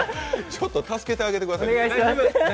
ちょっと助けてあげてください。